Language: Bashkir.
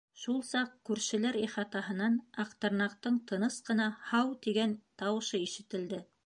Шул саҡ күршеләр ихатаһынан Аҡтырнаҡтың тыныс ҡына «һау» тигән тауышы ишетелде.